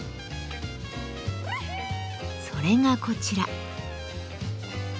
それがこちら。